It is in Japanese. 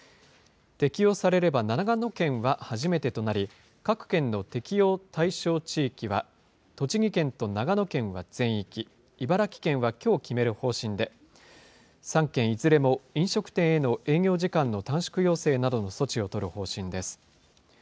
適用されれば長野県は初めてとなり、各県の適用対象地域は、栃木県と長野県は全域、茨城県はきょう決める方針で、３県いずれも飲食店への営業時間の短縮要請などの措置を取る方針です。